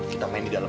kita main di dalam